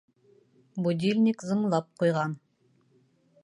Будильник зыңлап ҡуйған.